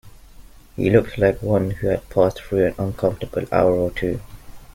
He looked like one who had passed through an uncomfortable hour or two.